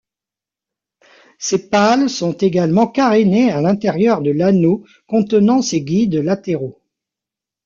Ses pales sont également carénées à l'intérieur de l'anneau contenant ces guides latéraux.